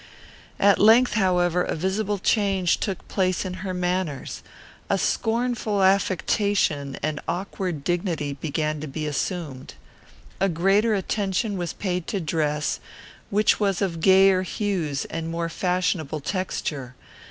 At length, however, a visible change took place in her manners. A scornful affectation and awkward dignity began to be assumed. A greater attention was paid to dress, which was of gayer hues and more fashionable texture.